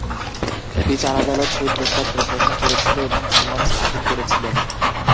বিচার আদালত সেই প্রস্তাব প্রত্যাখ্যান করেছিল এবং সিমন্স আপিল করেছিলেন।